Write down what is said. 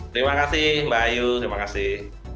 terima kasih mbak ayu terima kasih